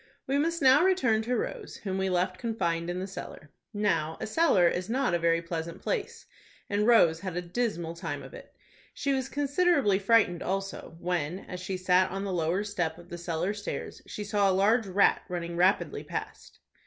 We must now return to Rose, whom we left confined in the cellar. Now, a cellar is not a very pleasant place, and Rose had a dismal time of it. She was considerably frightened also, when, as she sat on the lower step of the cellar stairs she saw a large rat running rapidly past.